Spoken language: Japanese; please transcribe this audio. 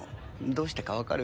どうしてか分かる？